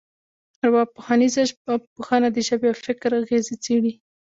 ارواپوهنیزه ژبپوهنه د ژبې او فکر اغېزې څېړي